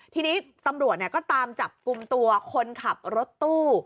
ทีนี้ตำรวจก็ตามจับกลุ่มตัวคนขับรถตู้